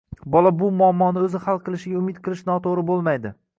Bola bu muammoni o‘zi hal qilishiga umid qilish to‘g‘ri bo‘lmaydi.